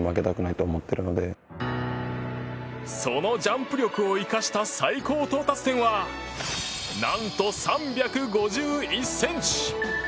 そのジャンプ力を生かした最高到達点は何と３５１ｃｍ！